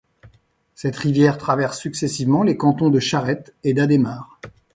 Cette rivière traverse successivement les cantons de Charette et d’Adhémar.